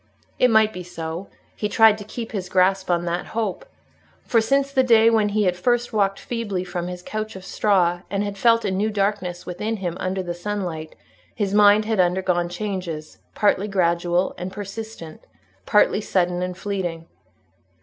It might be so; he tried to keep his grasp on that hope. For, since the day when he had first walked feebly from his couch of straw, and had felt a new darkness within him under the sunlight, his mind had undergone changes, partly gradual and persistent, partly sudden and fleeting.